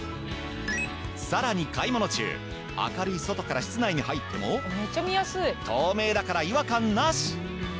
さらに買い物中明るい外から室内に入っても透明だから違和感なし！